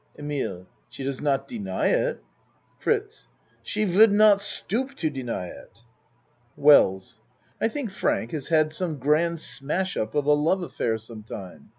EMILE She does not deny it. FRITZ She would not stoop to deny it. 16 A MAN'S WORLD WELLS I think Frank has had some grand smash up of a love affair sometime.